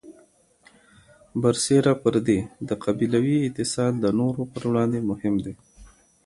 برسېره پر دې، د قبیلوي اتصال د نورو پر وړاندې مهم دی.